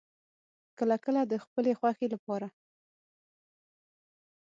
کله کله د خپلې خوښې لپاره